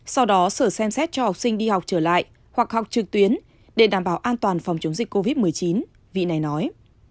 sau đó sở xem xét cho học sinh đi học trở lại hoặc học trực tuyến để đảm bảo an toàn phòng chống dịch covid một mươi chín vị này nói